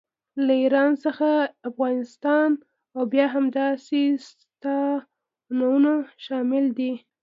له ایران څخه افغانستان او بیا همداسې ستانونه شامل دي.